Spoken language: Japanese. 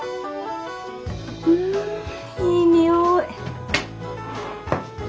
うんいいにおい。